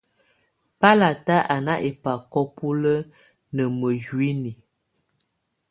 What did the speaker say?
Bàlata á ná ɛbákɔ búlǝ́ ná mǝ́uinyii.